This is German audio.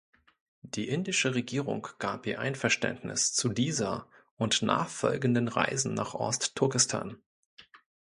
Die indische Regierung gab ihr Einverständnis zu dieser und nachfolgenden Reisen nach Ost-Turkestan.